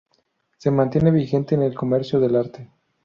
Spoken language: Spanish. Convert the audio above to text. Se mantiene vigente en el comercio del arte.